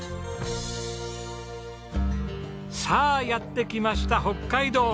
さあやって来ました北海道！